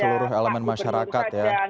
seluruh elemen masyarakat ya